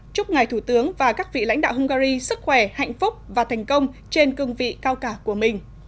chúc ngài thủ tướng và các vị lãnh đạo hungary sức khỏe hạnh phúc và thành công trên cương vị cao cả của mình